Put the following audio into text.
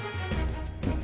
うん。